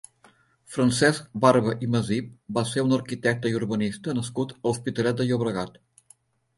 Francesc Barba i Masip va ser un arquitecte i urbanista nascut a l'Hospitalet de Llobregat.